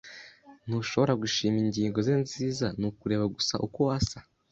Ntushobora gushima ingingo ze nziza nukureba gusa uko asa.